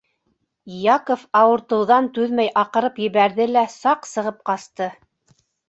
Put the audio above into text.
Яков ауыртыуҙан түҙмәй аҡырып ебәрҙе лә саҡ сығып ҡасты.